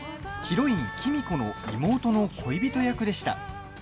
ヒロイン、喜美子の妹の恋人役でした。